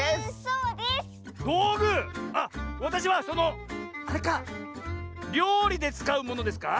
あっわたしはそのあれかりょうりでつかうものですか？